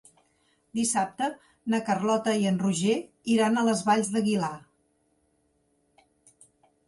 Dissabte na Carlota i en Roger iran a les Valls d'Aguilar.